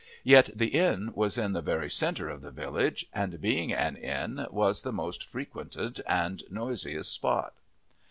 Yet the inn was in the very centre of the village, and being an inn was the most frequented and noisiest spot.